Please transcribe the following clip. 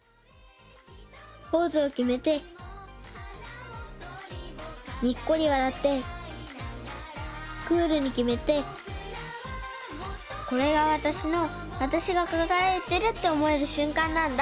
ポーズをきめてにっこりわらってクールにきめてこれがわたしのわたしがかがやいてるっておもえるしゅんかんなんだ。